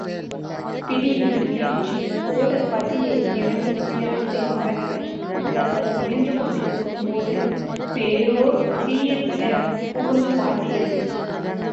பிடியின் வீழ்ச்சி கோடபதியை இழந்த துயரத்தை மறக்க அவர்கள் முயன்று கொண்டிருக்கும்போது வேறோர் புதிய துயரம் புகுந்து வாட்டியது.